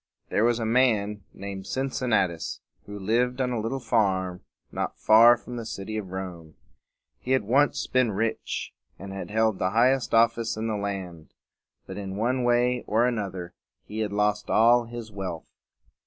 There was a man named Cin cin na´tus who lived on a little farm not far from the city of Rome. He had once been rich, and had held the highest office in the land; but in one way or another he had lost all his wealth.